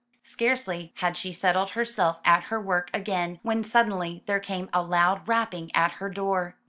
Scarcely had she settled herself at her work again, when suddenly there came a loud rapping at her door.